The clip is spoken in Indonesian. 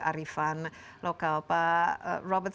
arifan lokal pak robert